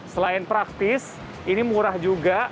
selain praktis ini murah juga